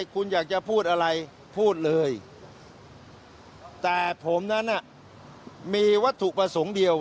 คุณอยากจะพูดอะไรพูดเลยแต่ผมนั้นมีวัตถุประสงค์เดียว